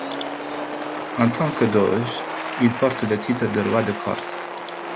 En tant que doge, il porte le titre de Roi de Corse.